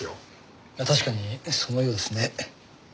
確かにそのようですね。